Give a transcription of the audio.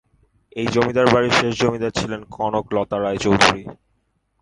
এই জমিদার বাড়ির শেষ জমিদার ছিলেন কনক লতা রায় চৌধুরী।